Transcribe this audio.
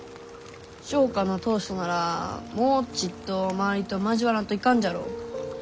商家の当主ならもうちっと周りと交わらんといかんじゃろう？